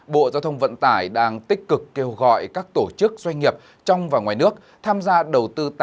bộ giao thông vận tải đang tích cực kêu gọi các tổ chức doanh nghiệp trong và ngoài nước tham gia đầu tư